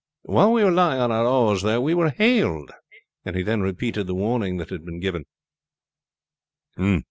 While we were lying on our oars there we were hailed." And he then repeated the warning that had been given.